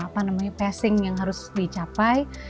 passing yang harus dicapai